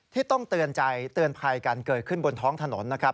ที่ต้องเตือนใจเตือนภัยกันเกิดขึ้นบนท้องถนนนะครับ